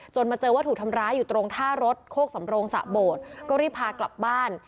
มาเจอว่าถูกทำร้ายอยู่ตรงท่ารถโคกสำโรงสะโบดก็รีบพากลับบ้าน